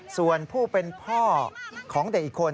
ส่วนผู้เป็นพ่อของเด็กอีกคน